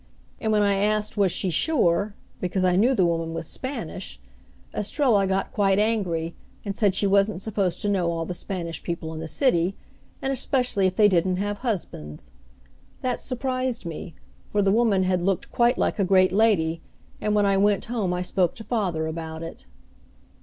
And when I asked was she sure, because I knew the woman was Spanish, Estrella got quite angry, and said she wasn't supposed to know all the Spanish people in the city, and especially if they didn't have husbands. That surprised me, for the woman had looked quite like a great lady, and when I went home I spoke to father about it.